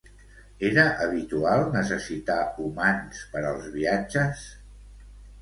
Era habitual necessitar humans per als viatges?